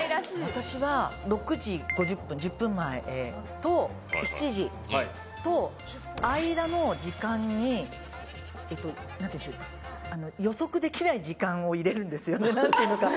私は６時５０分１０分前と７時と間の時間にえっと何ていうんでしょうを入れるんですよね何ていうのかな